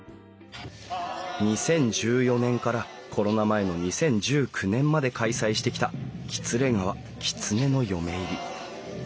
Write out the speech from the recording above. ２０１４年からコロナ前の２０１９年まで開催してきたきつれ川きつねの嫁入り。